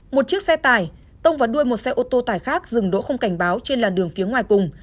một chiếc xe tải tông vào đuôi một xe ô tô tải khác dừng đỗ không cảnh báo trên làn đường phía ngoài cùng